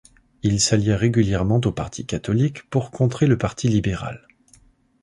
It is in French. Il s'alliait régulièrement au parti catholique pour contrer le parti libéral.